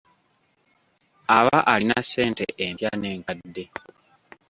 Aba alina ssente empya n'enkadde.